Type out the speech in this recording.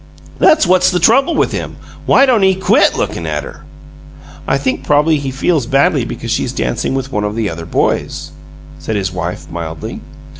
"That's what's the trouble with him. Why don't he QUIT looking at her?" "I think probably he feels badly because she's dancing with one of the other boys," said his wife, mildly.